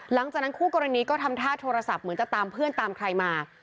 คู่กรณีก็ทำท่าโทรศัพท์เหมือนจะตามเพื่อนตามใครมา